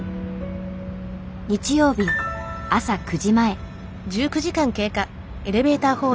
日曜日朝９時前。